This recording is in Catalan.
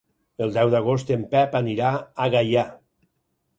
El deu d'agost en Pep anirà a Gaià.